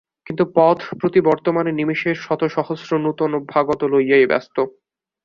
কিন্তু পথ প্রতি বর্তমান নিমেষের শতসহস্র নূতন অভ্যাগতকে লইয়াই ব্যস্ত।